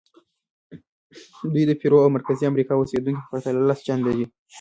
دوی د پیرو او مرکزي امریکا اوسېدونکو په پرتله لس چنده دي.